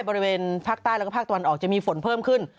บริเวณภาคใต้แล้วก็ภาคตะวันออกจะมีฝนเพิ่มขึ้น